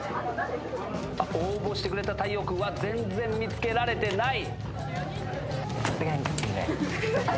応募してくれた太陽君は全然見つけられてない。